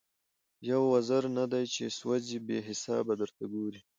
یو وزر نه دی چي سوځي بې حسابه درته ګوري